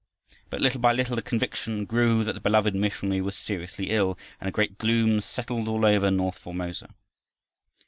But little by little the conviction grew that the beloved missionary was seriously ill, and a great gloom settled all over north Formosa.